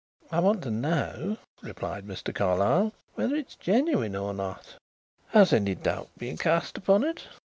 "I want to know," replied Mr. Carlyle, "whether it is genuine or not." "Has any doubt been cast upon it?"